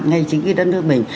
ngay chính cái đất nước mình